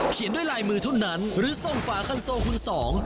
เขียนด้วยลายมือเท่านั้นหรือส่งฝาคันโซคุณสอง